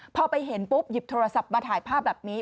พอไปเห็นปุ๊บหยิบโทรศัพท์มาถ่ายภาพแบบนี้